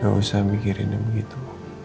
gak usah mikirin yang begitu